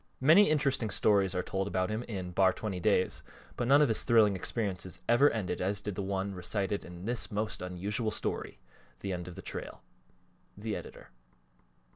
Many interesting stories are told about him in "Bar 20 Days" but none of his thrilling experiences ever ended as did the one recited in this most unusual story, "The End of the Trail."_ THE EDITOR.